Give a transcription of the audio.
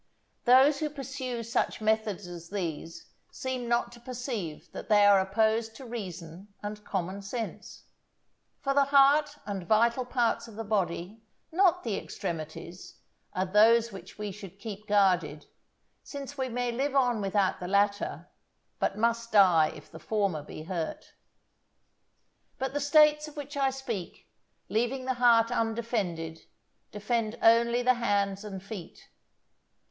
Those who pursue such methods as these seem not to perceive that they are opposed to reason and common sense. For the heart and vital parts of the body, not the extremities, are those which we should keep guarded, since we may live on without the latter, but must die if the former be hurt. But the States of which I speak, leaving the heart undefended, defend only the hands and feet.